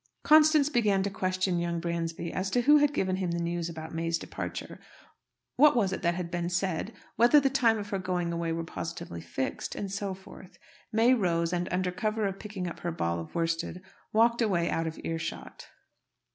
Constance began to question young Bransby as to who had given him the news about May's departure; what it was that had been said; whether the time of her going away were positively fixed; and so forth. May rose, and, under cover of picking up her ball of worsted, walked away out of earshot.